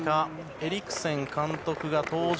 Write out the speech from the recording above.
エリクセン監督が登場。